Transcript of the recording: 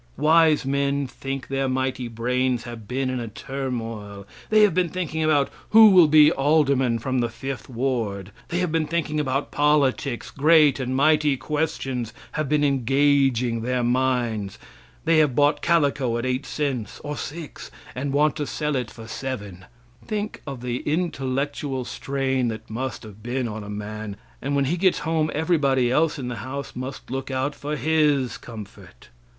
Wise men think their mighty brains have been in a turmoil; they have been thinking about who will be alderman from the fifth ward; they have been thinking about politics; great and mighty questions have been engaging their minds; they have bought calico at 8 cents, or 6, and want to sell it for 7. Think of the intellectual strain that must have been upon a man, and when he gets home everybody else in the house must look out for his comfort.